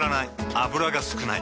油が少ない。